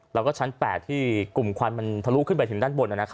แล้วก็ชั้น๘ที่กลุ่มควันมันทะลุขึ้นไปถึงด้านบน